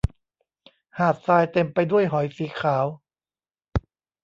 หาดทรายเต็มไปด้วยหอยสีขาว